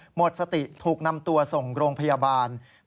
หมดสติถูกนำตัวส่งโรงพยาบาล